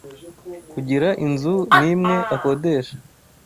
kugira inzu n’imwe akodesha,